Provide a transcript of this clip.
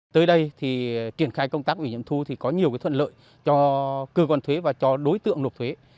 tới đây thì triển khai công tác ủy nhiệm thu thì có nhiều thuận lợi cho cơ quan thuế và cho đối tượng nộp thuế